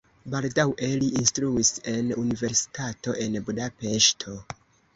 Baldaŭe li instruis en universitato en Budapeŝto.